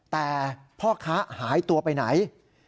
แต่พ่อค้าหายตัวไปไหน